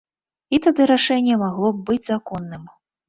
І тады рашэнне магло б быць законным.